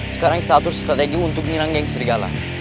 sekarang kita atur strategi untuk menyerang geng serigala